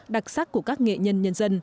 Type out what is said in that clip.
đặc sắc của các nghệ nhân nhân dân